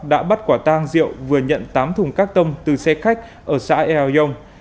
đã bắt quả tang diệu vừa nhận tám thùng các tông từ xe khách ở xã eo yong